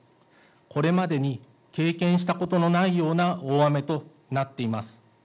これまでに経験したことのないような大雨となっています。